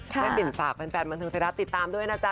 แม่ปิ่นฝากเป็นแฟนมันทึงเท้ารักติดตามด้วยนะจ๊ะ